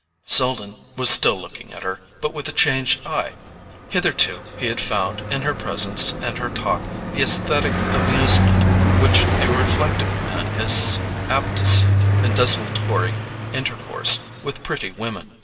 Selden was still looking at her, but with a changed eye. Hitherto he had found, in her presence and her talk, the aesthetic amusement which a reflective man is apt to seek in desultory intercourse with pretty women.